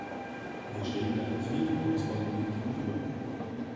Wir stehen daher vielen Herausforderungen gegenüber.